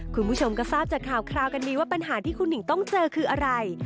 คุณผู้ชมก็ทราบจากข่าวกันดีว่าปัญหาที่คุณหิ่งต้องเจอคืออะไร